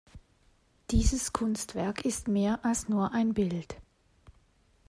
Dieses Kunstwerk ist mehr als nur ein Bild.